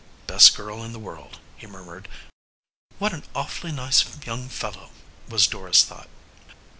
"Best girl in the world," he murmured. "What an awfully nice young fellow," was Dora's thought.